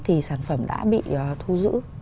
thì sản phẩm đã bị thu giữ